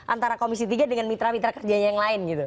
antara komisi tiga dengan mitra mitra kerjanya yang lain gitu